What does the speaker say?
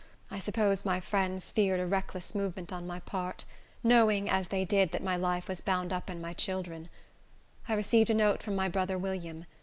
I suppose my friends feared a reckless movement on my part, knowing, as they did, that my life was bound up in my children. I received a note from my brother William.